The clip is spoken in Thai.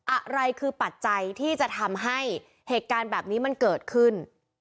อะไรคือปัจจัยที่จะทำให้เหตุการณ์แบบนี้มันเกิดขึ้น